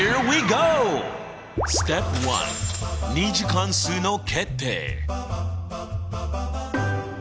２次関数の決定？